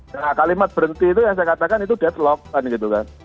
nah kalimat berhenti itu yang saya katakan itu deadlock